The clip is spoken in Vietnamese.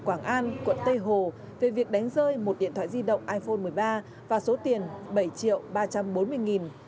quảng an quận tây hồ về việc đánh rơi một điện thoại di động iphone một mươi ba và số tiền bảy triệu ba trăm bốn mươi nghìn